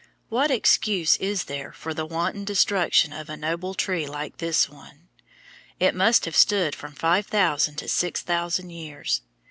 What excuse is there for the wanton destruction of a noble tree like this one? It must have stood from five thousand to six thousand years.